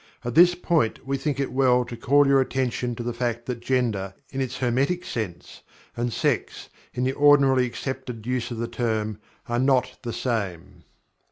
At this point we think it well to call your attention to the fact that Gender, in its Hermetic sense, and Sex in the ordinarily accepted use of the term, are not the same.